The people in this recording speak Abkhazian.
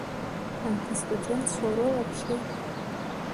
Анҭ астудентцәа урылаԥши!